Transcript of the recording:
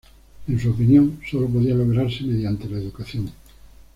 En su opinión, sólo podía lograrse mediante la educación.